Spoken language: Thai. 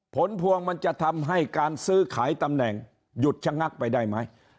ผลพวงมันจะทำให้การซื้อขายตำแหน่งหยุดชะงักไปได้ไหม